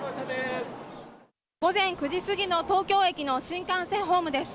午前９時過ぎの東京駅の新幹線ホームです。